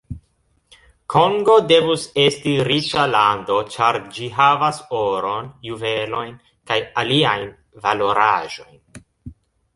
Kongo devus esti riĉa lando, ĉar ĝi havas oron, juvelojn kaj aliajn valoraĵojn.